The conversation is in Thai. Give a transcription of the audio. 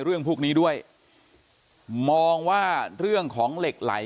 เรื่องพวกนี้ด้วยมองว่าเรื่องของเหล็กไหล